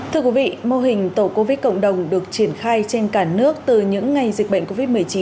thưa quý vị mô hình tổ covid cộng đồng được triển khai trên cả nước từ những ngày dịch bệnh covid một mươi chín